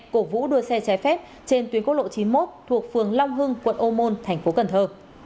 cổ vũ đua xe trái phép trên tuyến quốc lộ chín mươi một thuộc phường long hưng quận ô môn thành phố cần thơ